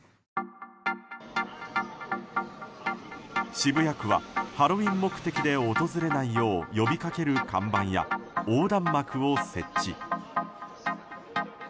渋谷区は、ハロウィーン目的で訪れないよう呼び掛ける看板や横断幕を設置。